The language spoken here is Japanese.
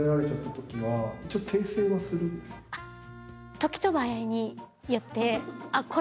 時と場合によって。